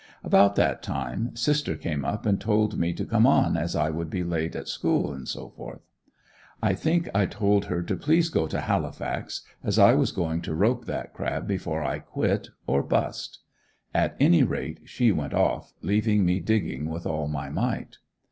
About that time sister came up and told me to come on as I would be late at school, etc. I think I told her to please go to Halifax, as I was going to rope that crab before I quit or "bust." At any rate she went off, leaving me digging with all my might.